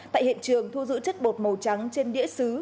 tại hiện trường thu giữ chất bột màu trắng trên đĩa xứ